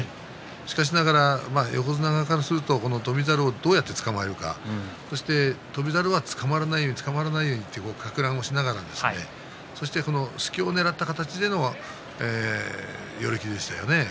しかしながら、横綱からすると翔猿をどうやってつかまえるかそして翔猿はつかまらないようにつかまらないようにかく乱しながらそして隙をねらった形での寄り切りでしたよね。